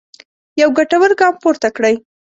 یو ګټور ګام پورته کړی.